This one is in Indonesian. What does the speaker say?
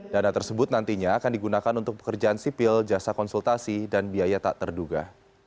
dana tersebut nantinya akan digunakan untuk pekerjaan sipil jasa konsultasi dan biaya tak terduga